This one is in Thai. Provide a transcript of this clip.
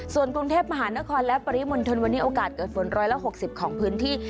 ส่วนกรุงเทพมหานครและปริมณฑลวันนี้โอกาสเกิดฝน๑๖๐ของพื้นที่